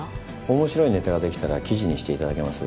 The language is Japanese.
面白いネタが出来たら記事にしていただけます？